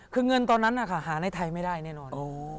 คือเงินตอนนั้นนะคะหาในไทยไม่ได้แน่นอน